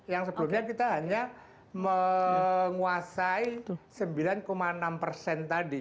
yang sebelumnya kita hanya menguasai sembilan enam persen tadi